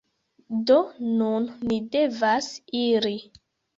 Do, nun ni devas iri